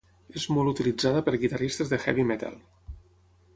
És molt utilitzada per guitarristes de heavy metal.